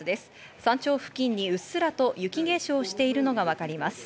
山頂付近にうっすらと雪化粧しているのがわかります。